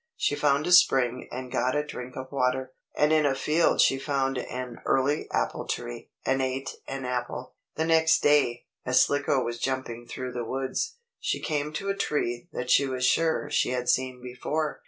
She found a spring and got a drink of water, and in a field she found an early apple tree, and ate an apple. The next day, as Slicko was jumping through the woods, she came to a tree that she was sure she had seen before.